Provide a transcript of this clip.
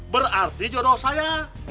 berarti jodoh saya